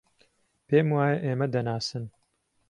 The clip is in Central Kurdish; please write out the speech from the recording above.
پێم وایە ئێمە دەناسن.